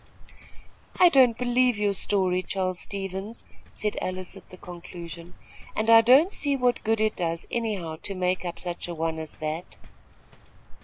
"I don't believe your story, Charles Stevens," said Alice, at the conclusion, "and I don't see what good it does, anyhow, to make up such a one as that."